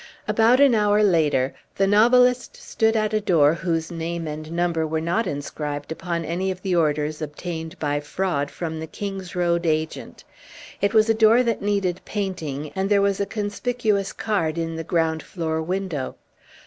About an hour later the novelist stood at a door whose name and number were not inscribed upon any of the orders obtained by fraud from the King's Road agent. It was a door that needed painting, and there was a conspicuous card in the ground floor window.